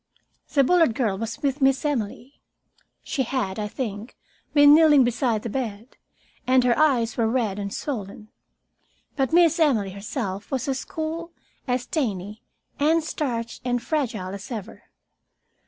The Bullard girl was with Miss Emily. She had, I think, been kneeling beside the bed, and her eyes were red and swollen. But Miss Emily herself was as cool, as dainty and starched and fragile as ever.